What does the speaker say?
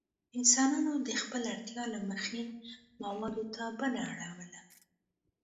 انسانانو د خپلې اړتیا له مخې موادو ته بڼه اړولې.